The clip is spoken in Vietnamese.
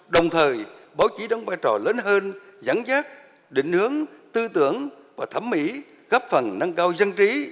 đồng thời báo chí đón vai trò lớn hơn giảng giác định hướng tư tưởng và thẩm mỹ góp phần năng cao dân trí